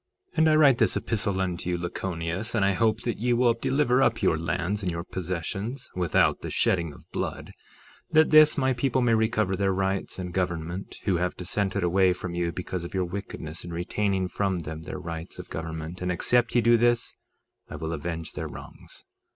3:10 And I write this epistle unto you, Lachoneus, and I hope that ye will deliver up your lands and your possessions, without the shedding of blood, that this my people may recover their rights and government, who have dissented away from you because of your wickedness in retaining from them their rights of government, and except ye do this, I will avenge their wrongs.